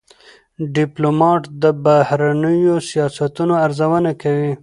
ډيپلومات د بهرنیو سیاستونو ارزونه کوي.